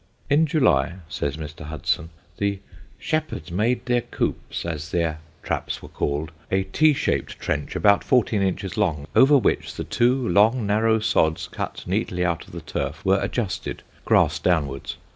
In July, says Mr. Hudson, the "Shepherds made their 'coops,' as their traps were called a T shaped trench about fourteen inches long, over which the two long narrow sods cut neatly out of the turf were adjusted, grass downwards.